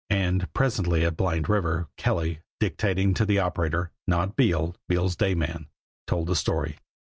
And presently at Blind River, Kelly, dictating to the operator not Beale, Beale's day man told the story.